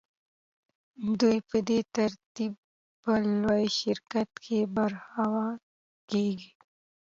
دوی په دې ترتیب په لوی شرکت کې برخوال کېږي